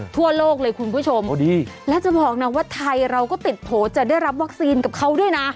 ทั่วโลกเลยคุณผู้ชมแล้วจะบอกนะว่าไทยเราก็ติดโผล่จะได้รับวัคซีนกับเขาด้วยนะ